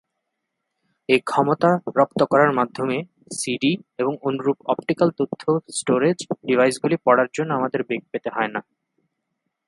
এ ক্ষমতা রপ্ত করার মাধ্যমে সিডি এবং অনুরূপ অপটিক্যাল তথ্য-স্টোরেজ ডিভাইসগুলি পড়ার জন্য আমাদের বেগ পেতে হবে না।